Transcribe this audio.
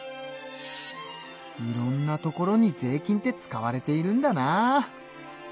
いろんなところに税金って使われているんだなあ。